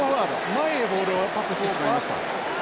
前へボールをパスしてしまいました。